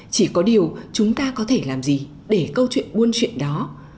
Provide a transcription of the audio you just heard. chỉ có điều chúng ta có thể làm gì để câu chuyện buôn chuyện đó